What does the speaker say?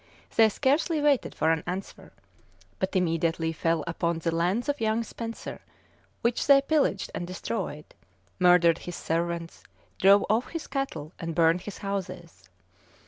They scarcely waited for an answer; but immediately fell upon the lands of young Spenser, which they pillaged and destroyed; murdered his servants, drove off his cattle, and burned his houses.